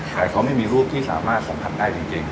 แต่เขาไม่มีรูปที่สามารถสัมผัสได้จริง